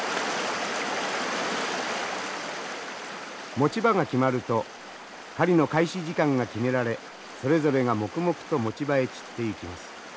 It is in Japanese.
持ち場が決まると狩りの開始時間が決められそれぞれが黙々と持ち場へ散っていきます。